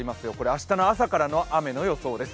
明日の朝からの雨の予想です。